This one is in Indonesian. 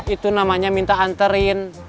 itu namanya minta anterin